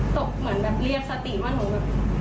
เหมือนแบบเรียกสติว่าหนูแบบ